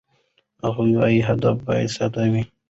هغه وايي، هدف باید ساده وي.